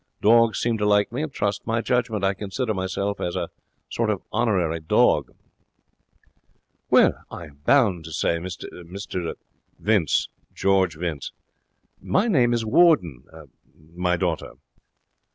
Dogs seem to like me and trust my judgement. I consider myself as a sort of honorary dog.' 'Well, I am bound to say, Mr ?' 'Vince George Vince.' 'My name is Warden. My daughter.'